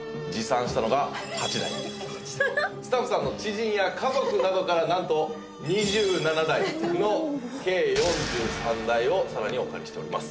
スタッフさんの知人や家族などからなんと２７台の計４３台をさらにお借りしております。